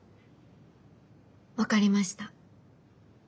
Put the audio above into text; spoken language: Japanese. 分かりました。